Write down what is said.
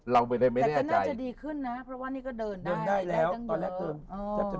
เราไม่ได้แม่น่าใจเดินได้แล้วตอนแลกเริ่มไม่ได้เลยแบบมันคือน่าจะดีขึ้นนะเพราะแล้วก็เนื้อก็เดินได้